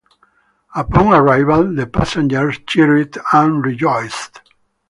Upon arrival, the passengers cheered and rejoiced.